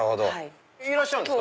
いらっしゃるんですか？